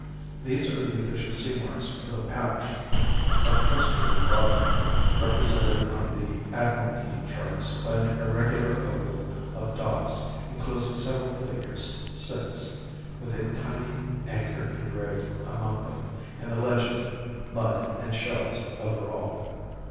These are the official seamarks for the patch of trustworthy bottom represented on the Admiralty charts by an irregular oval of dots enclosing several figures six, with a tiny anchor engraved among them, and the legend "mud and shells" over all.